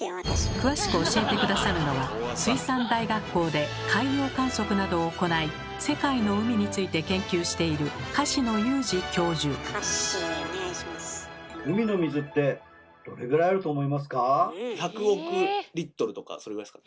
詳しく教えて下さるのは水産大学校で海洋観測などを行い世界の海について研究している１００億とかそれぐらいですか？